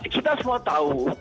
kita semua tahu